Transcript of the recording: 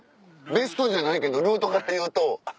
ベストじゃないけどルートからいうと。